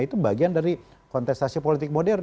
itu bagian dari kontestasi politik modern